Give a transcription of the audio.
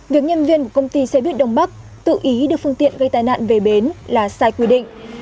việc nhân viên của công ty xe buýt đông bắc tự ý đưa phương tiện gây tai nạn về bến là sai quy định